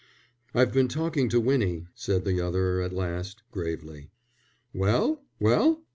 "I've been talking to Winnie," said the other at last, gravely. "Well? Well?"